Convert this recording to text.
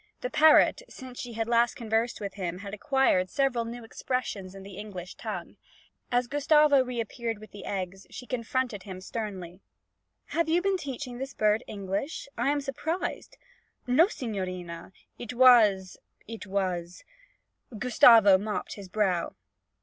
The parrot, since she had last conversed with him, had acquired several new expressions in the English tongue. As Gustavo reappeared with the eggs, she confronted him sternly. 'Have you been teaching this bird English? I am surprised!' 'No, signorina. It was it was ' Gustavo mopped his brow.